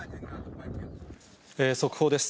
速報です。